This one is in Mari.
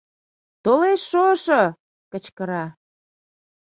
«Толеш шошо!» кычкыра.